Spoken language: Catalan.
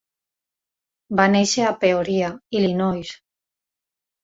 Va néixer a Peoria, Illinois.